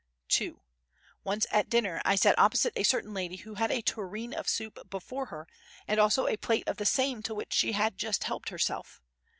(2) Once at dinner I sat opposite a certain lady who had a tureen of soup before her and also a plate of the same to which she had just helped herself.